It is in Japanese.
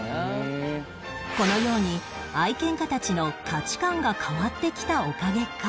このように愛犬家たちの価値観が変わってきたおかげか